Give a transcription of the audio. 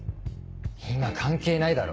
今関係ないだろ？